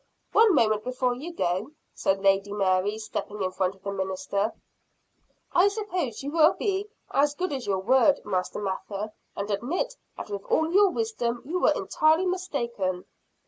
"One moment, before you go," said Lady Mary, stepping in front of the minister. "I suppose you will be as good as your word, Master Mather and admit that with all your wisdom you were entirely mistaken?"